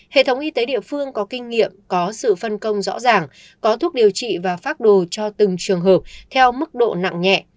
hệ thống y tế địa phương có kinh nghiệm có sự phân công rõ ràng có thuốc điều trị và phát đồ cho từng trường hợp theo mức độ nặng nhẹ